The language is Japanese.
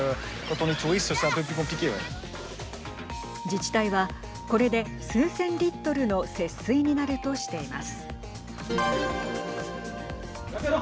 自治体は、これで数千リットルの節水になるとしています。